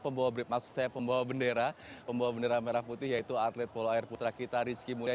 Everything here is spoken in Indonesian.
pembawa brib maksud saya pembawa bendera pembawa bendera merah putih yaitu atlet polo air putra kita rizky mulia